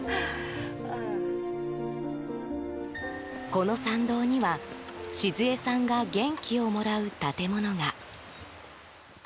この参道には静恵さんが元気をもらう建物が。